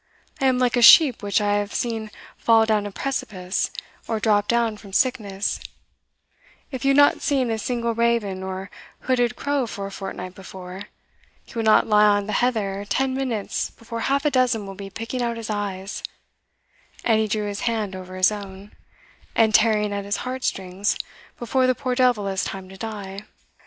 I am like a sheep which I have seen fall down a precipice, or drop down from sickness if you had not seen a single raven or hooded crow for a fortnight before, he will not lie on the heather ten minutes before half a dozen will be picking out his eyes (and he drew his hand over his own), and tearing at his heartstrings before the poor devil has time to die.